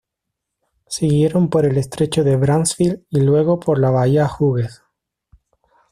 Siguieron por el estrecho de Bransfield y luego por la bahía Hughes.